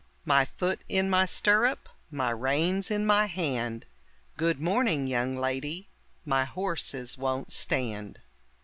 My foot in my stirrup, my reins in my hand; Good morning, young lady, my horses won't stand.